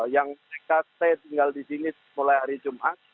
yang tkt tinggal di sini mulai hari jumat